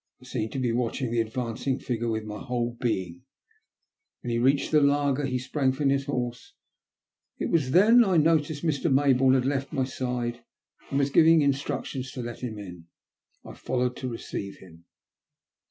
I seemed to be watching the advancing figure with my whole being. When he reached the laager he sprang from his horse, and then it was that I noticed Mr. Maybourne had left my side and was giving instructions to let him in. I followed to receive him.